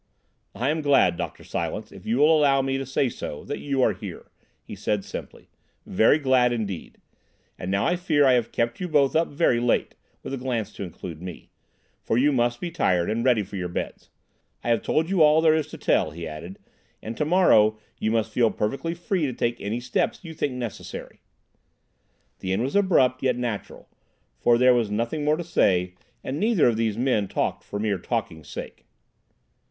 "I am glad, Dr. Silence, if you will allow me to say so, that you are here," he said simply, "very glad indeed. And now I fear I have kept you both up very late," with a glance to include me, "for you must be tired, and ready for your beds. I have told you all there is to tell," he added, "and tomorrow you must feel perfectly free to take any steps you think necessary." The end was abrupt, yet natural, for there was nothing more to say, and neither of these men talked for mere talking's sake.